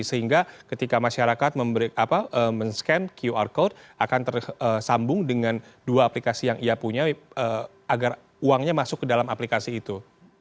sehingga ketika masyarakat men scan qr code akan tersambung dengan dua aplikasi yang ia punya agar uangnya masuk ke dalam aplikasi itu